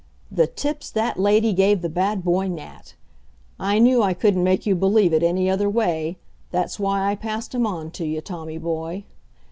The tips that lady gave the bad boy Nat! I knew I couldn't make you believe it any other way; that's why I passed 'em on to you, Tommy boy.